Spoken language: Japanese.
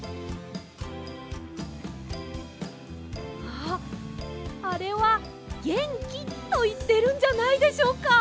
ああれは「ゲンキ」といってるんじゃないでしょうか？